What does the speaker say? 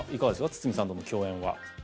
堤さんとの共演は。